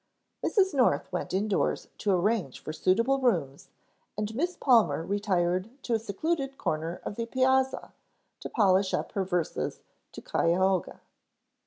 Mrs. North went indoors to arrange for suitable rooms and Miss Palmer retired to a secluded corner of the piazza to polish up her verses to Cuyahoga.